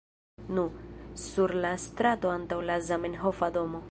Nu, sur la strato antaŭ la Zamenhofa domo